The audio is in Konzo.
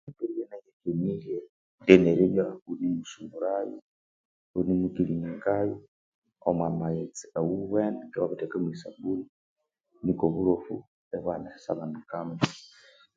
Eribya iyinahenirye lyaneribya iwune musumurayo, iwunemukiliningayo omwa amaghetse awuwene keghe iwabirithekamo esabuni nuko oburofu ibwaghana erisasabanikamu.